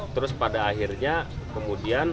terus pada akhirnya kemudian